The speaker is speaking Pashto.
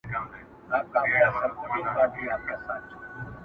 لا رواني دي جوپې د شهيدانو،